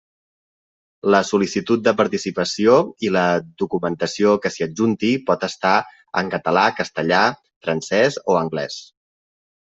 La sol·licitud de participació i la documentació que s'hi adjunti pot estar en català, castellà, francès o anglès.